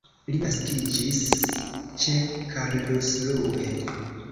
Li naskiĝis ĉe Karlsruhe.